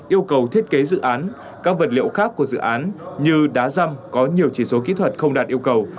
yêu cầu thiết kế dự án các vật liệu khác của dự án như đá răm có nhiều chỉ số kỹ thuật không đạt yêu cầu